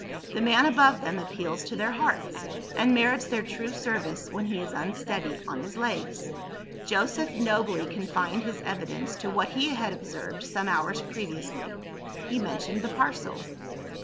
The man above them appeals to their hearts, and merits their true service, when he is unsteady on his legs. Joseph nobly confined his evidence to what he had observed some hours previously: he mentioned the parcel.